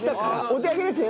お手上げですね？